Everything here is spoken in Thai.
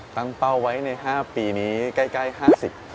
ตั้งเป้าไว้ใน๕ปีนี้ใกล้๕๐ปี